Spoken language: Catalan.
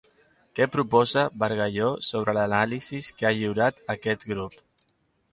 Què proposa Bargalló sobre l'anàlisi que ha lliurat aquest grup?